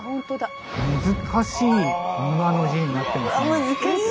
難しい「邇摩」の字になってますね。